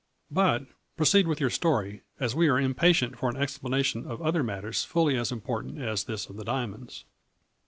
" But proceed with your story, as we are im patient for an explanation of other matters fully as important as this of the diamonds."